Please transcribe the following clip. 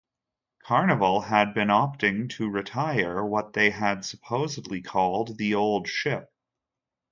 Carnival had been opting to retire what they had supposedly called the old ship.